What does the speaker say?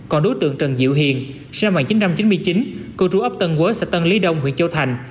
còn đối tượng trần diệu hiền sinh năm một nghìn chín trăm chín mươi chín cư trú ấp tân quế xã tân lý đông huyện châu thành